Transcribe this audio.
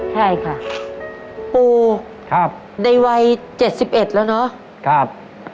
ใช่ค่ะปูครับในวัยเจ็ดสิบเอ็ดแล้วเนอะครับ